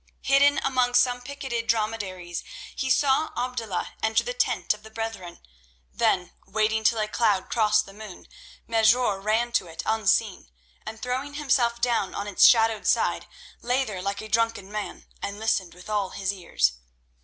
Hidden among some picketed dromedaries, he saw Abdullah enter the tent of the brethren, then, waiting till a cloud crossed the moon, Mesrour ran to it unseen, and throwing himself down on its shadowed side, lay there like a drunken man, and listened with all his ears.